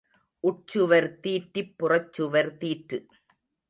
உட்சுவர் தீற்றிப் புறச்சுவர் தீற்று.